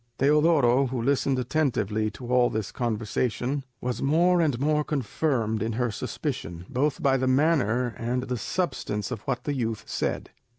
Teodoro, who listened attentively to all this conversation, was more and more confirmed in her suspicion, both by the manner and the substance of what the youth said.